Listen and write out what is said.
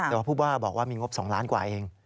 แต่ว่าผู้ว่าบอกว่ามีงบ๒ล้านกว่าเอง